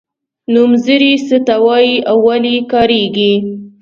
نومځري څه ته وايي او ولې کاریږي.